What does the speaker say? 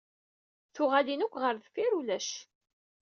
Tuɣalin akk ɣer deffir ulac.